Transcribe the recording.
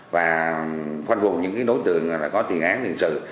và phân phùng những đối tượng có thiền án thiền sự